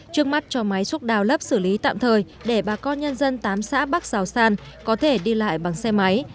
trước mắt cho máy xúc đào lấp xử lý tạm thời để bà con nhân dân tám xã bắc giảo san có thể đi lại bằng xe máy